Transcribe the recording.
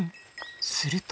すると。